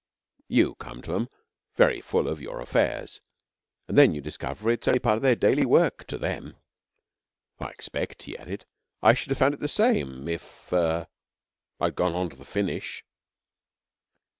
'You come to 'em very full of your affairs, and then you discover that it's only part of their daily work to them. I expect,' he added, 'I should have found it the same if er I'd gone on to the finish.'